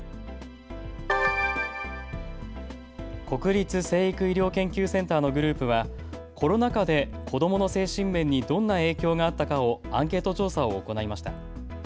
国立成育医療研究センターのグループはコロナ禍で子どもの精神面にどんな影響があったかをアンケート調査を行いました。